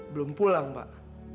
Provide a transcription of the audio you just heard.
belum pulang pak